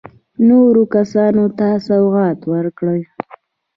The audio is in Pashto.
نورو کسانو ته سوغات ورکړ.